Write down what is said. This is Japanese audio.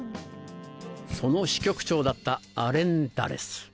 その支局長だったアレン・ダレス。